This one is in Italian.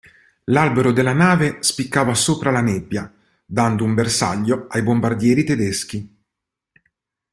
L'albero della nave spiccava sopra la nebbia dando un bersaglio ai bombardieri tedeschi.